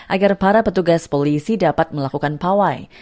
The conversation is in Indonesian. agar para petugas polisi dapat melakukan pawai